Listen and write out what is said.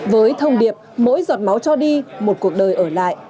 với thông điệp mỗi giọt máu cho đi một cuộc đời ở lại